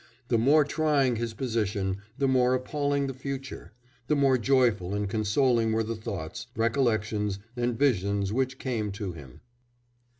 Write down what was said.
The more trying his position, the more appalling the future, ... the more joyful and consoling were the thoughts, recollections, and visions which came to him."